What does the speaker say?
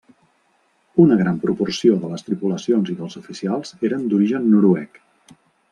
Una gran proporció de les tripulacions i dels oficials eren d'origen noruec.